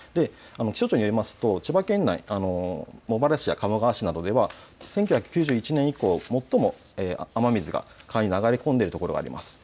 気象庁によりますと千葉県内茂原市や鴨川市などでは１９９１年以降、最も雨水が川に流れ込んでいるところがあります。